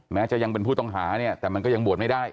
แม้จะยังเป็นผู้ต้องหาเนี่ยแต่มันก็ยังบวชไม่ได้